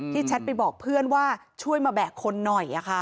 แชทไปบอกเพื่อนว่าช่วยมาแบกคนหน่อย